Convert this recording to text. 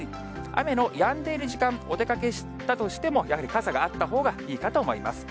雨のやんでいる時間、お出かけしたとしても、やはり傘があったほうがいいかと思います。